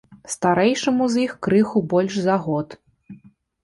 Старэйшаму з іх крыху больш за год.